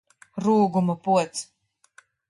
Rūguma pods!